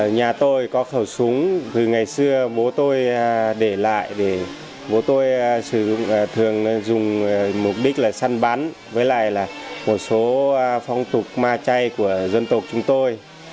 nhà tôi có khẩu súng từ ngày xưa bố tôi để lại để bố tôi thường dùng mục đích là săn bắn với lại là một số phong tục ma chay của dân tộc chúng tôi